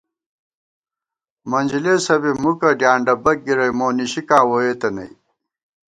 منجلېسہ بی مُکہ ڈیانڈہ بَک گِرَئی مونِشِکاں ووئېتہ نئ